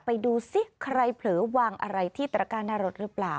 ไปดูซิใครเผลอวางอะไรที่ตระก้าหน้ารถหรือเปล่า